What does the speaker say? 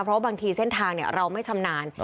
เพราะบางทีเส้นทางเราไม่ชำนาญ